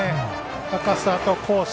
高さとコース。